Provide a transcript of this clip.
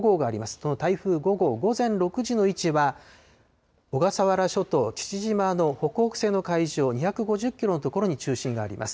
この台風５号、午前６時の位置は、小笠原諸島父島の北北西の海上２５０キロの所に中心があります。